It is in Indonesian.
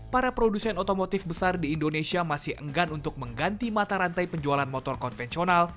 para produsen otomotif besar di indonesia masih enggan untuk mengganti mata rantai penjualan motor konvensional